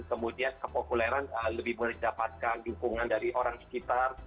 kemudian kepopuleran lebih mendapatkan dukungan dari orang sekitar